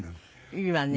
いいわね。